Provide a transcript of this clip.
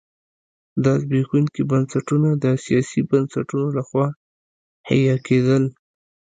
دا زبېښونکي بنسټونه د سیاسي بنسټونو لخوا حیه کېدل.